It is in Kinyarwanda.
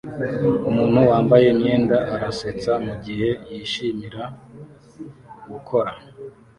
Umuntu wambaye imyenda arasetsa mugihe yishimira gukora